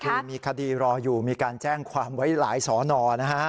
คือมีคดีรออยู่มีการแจ้งความไว้หลายสอนอนะฮะ